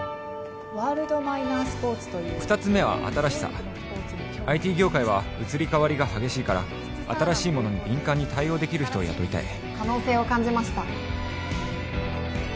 ワールドマイナースポーツという２つ目は新しさＩＴ業界は移り変わりが激しいから新しいものに敏感に対応できる人を雇いたい可能性を感じました